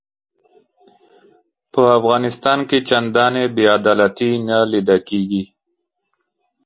په افغانستان کې چنداني بې عدالتي نه لیده کیږي.